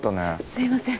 すいません